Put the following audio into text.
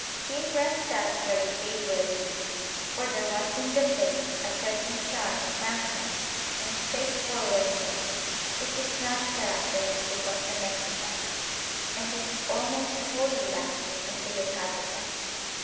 He impressed us very favourably, for there was in the face a certain charm of frankness and straightforwardness which is not characteristic of the Mexicans, and is almost wholly lacking in the Yucatecans.